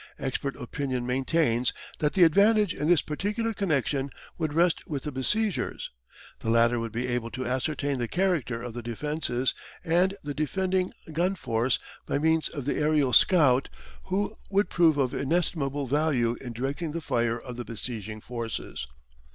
Expert opinion maintains that the advantage in this particular connection would rest with the besiegers. The latter would be able to ascertain the character of the defences and the defending gun force, by means of the aerial scout, who would prove of inestimable value in directing the fire of the besieging forces.